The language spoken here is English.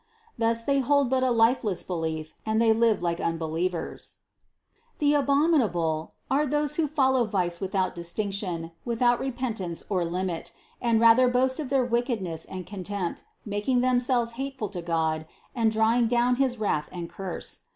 Thus they hold but a lifeless belief and they live like unbelievers. 263. "The abominable," are those who follow vice without distinction, without repentance or limit, and rather boast of their wickedness and contempt, making themselves hateful to God and drawing down his wrath and curse.